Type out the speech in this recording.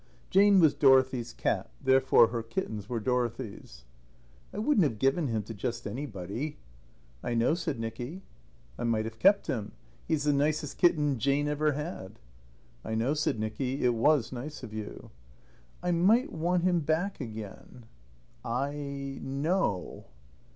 Jane was Dorothy's cat; therefore her kittens were Dorothy's. "I wouldn't have given him to just anybody." "I know," said Nicky. "I might have kept him. He's the nicest kitten Jane ever had." "I know," said Nicky. "It was nice of you." "I might want him back again." "I know."